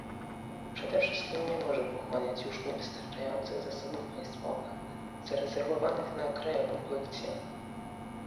Przede wszystkim nie może pochłaniać już niewystarczających zasobów państwowych zarezerwowanych na krajową policję